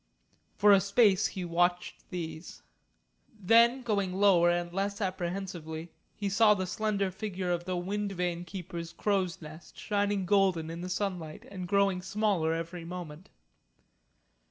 For a space he watched these. Then going lower and less apprehensively, he saw the slender figure of the Wind Vane keeper's crow's nest shining golden in the sunlight and growing smaller every moment.